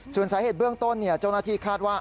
ส่วนสาเหตุเบื้องต้นเจ้าหน้าที่คาดว่า